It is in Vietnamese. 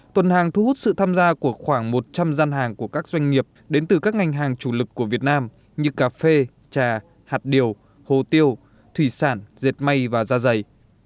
tuần hàng thu hút sự tham gia của khoảng một trăm linh gian hàng của các doanh nghiệp đến từ các ngành hàng chủ lực của việt nam như cà phê trà hạt điều hồ tiêu thủy sản dệt may và da dày